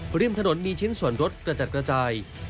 ริมถนนมีชิ้นส่วนรถกระจัดกระจาย